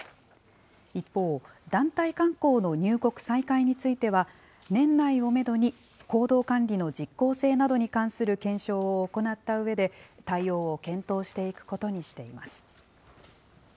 一方、団体観光の入国再開については、年内をメドに、行動管理の実効性などに関する検証を行ったうえで、対応を検討していくことにしています。